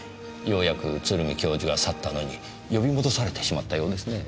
ようやく鶴見教授が去ったのに呼び戻されてしまったようですね。